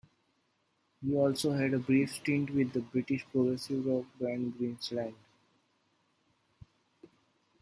He also had a brief stint with the British progressive rock band Greenslade.